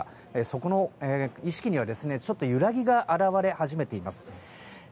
そこの意識にはちょっと揺らぎが表れ始めています。